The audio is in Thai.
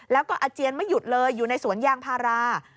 แล้วก็อาเจียนไม่หยุดเลยอยู่ในสวนยางพารา